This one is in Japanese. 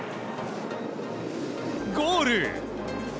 ゴール！